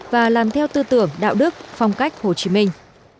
và làm theo tư tưởng đạo đức phong cách hồ chí minh